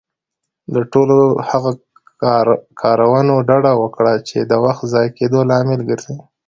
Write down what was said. له ټولو هغه کارونه ډډه وکړه، چې د وخت ضايع کيدو لامل ګرځي.